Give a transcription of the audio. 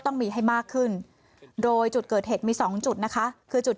ต้องมีให้มากขึ้นโดยจุดเกิดเหตุมี๒จุดนะคะคือจุด